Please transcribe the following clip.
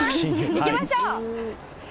行きましょう。